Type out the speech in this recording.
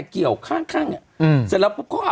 เออ